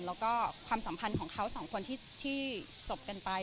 แล้วก็ความสัมพันธ์ของเขาสองคนที่จบกันไป